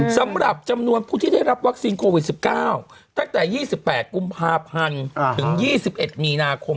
สำหรับจำนวนผู้ที่ได้รับวัคซีนโควิด๑๙ตั้งแต่๒๘กุมภาพันธ์ถึง๒๑มีนาคม